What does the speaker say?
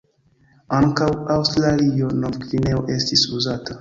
Ankaŭ "Aŭstralio-Nov-Gvineo" estis uzata.